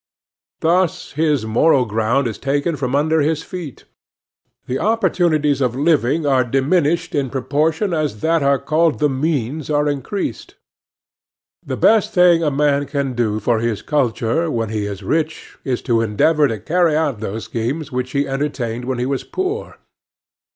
Thus his moral ground is taken from under his feet. The opportunities of living are diminished in proportion as what are called the "means" are increased. The best thing a man can do for his culture when he is rich is to endeavor to carry out those schemes which he entertained when he was poor.